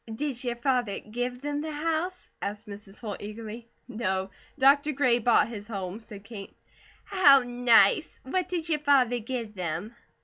"Did your father give them the house?" asked Mrs. Holt eagerly. "No. Dr. Gray bought his home," said Kate. "How nice! What did your father give them?"